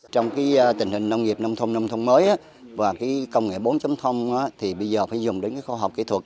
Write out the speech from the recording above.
trong tình hình nông nghiệp nông thôn nông thôn mới và công nghệ bốn thì bây giờ phải dùng đến khoa học kỹ thuật